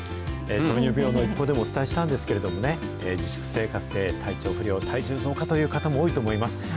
糖尿病のＩＰＰＯＵでもお伝えしたんですけれどもね、自粛生活で体調不良、体重増加という方も多いと思います。